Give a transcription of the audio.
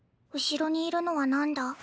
後ろにいるのはなんだ？